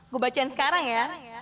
gue bacain sekarang ya